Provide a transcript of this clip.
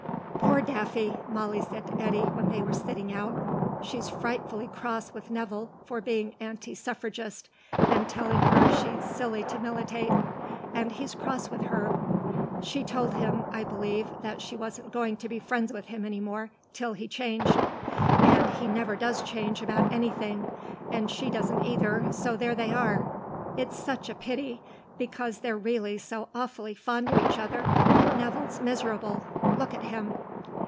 "Poor Daffy," Molly said to Eddy when they were sitting out. "She's frightfully cross with Nevill for being anti suffragist, and telling her she's silly to militate. And he's cross with her. She told him, I believe, that she wasn't going to be friends with him any more till he changed. And he never does change about anything, and she doesn't either, so there they are. It's such a pity, because they're really so awfully fond of each other. Nevill's miserable. Look at him."